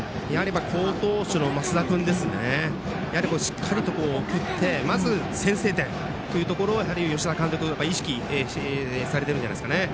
好投手の升田君ですのでしっかりと打ってまず先制点というところはやはり吉田監督意識されてるんじゃないですかね。